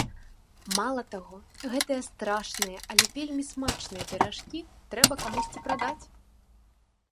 Мала таго, гэтыя страшныя, але вельмі смачныя піражкі трэба камусьці прадаць!